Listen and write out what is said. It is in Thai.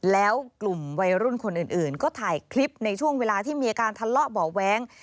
แล้วกลุ่มวัยรุ่นคนอื่นก็ถ่ายคลิปในช่วงเวลาที่มีอาการทะเลาะเบาะแว้ง